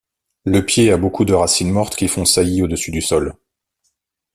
Le pied a beaucoup de racines mortes qui font saillie au-dessus du sol.